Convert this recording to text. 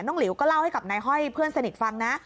หลิวก็เล่าให้กับนายห้อยเพื่อนสนิทฟังนะ